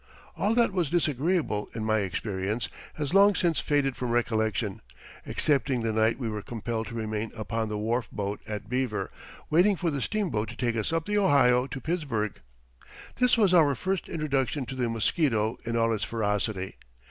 All that was disagreeable in my experience has long since faded from recollection, excepting the night we were compelled to remain upon the wharf boat at Beaver waiting for the steamboat to take us up the Ohio to Pittsburgh. This was our first introduction to the mosquito in all its ferocity.